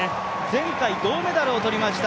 前回銅メダルをとりました